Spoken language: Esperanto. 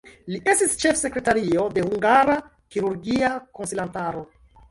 Li estis ĉefsekretario de Hungara Kirurgia Konsilantaro.